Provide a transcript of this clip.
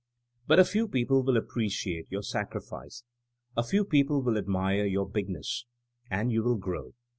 But a f ewpeople will appreciate your sacrifice. A few people will admire your big ness. And you will grow.